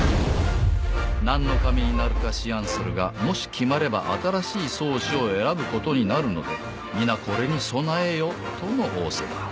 何の神になるか思案するがもし決まれば新しい宗師を選ぶことになるので皆これに備えよとの仰せだ。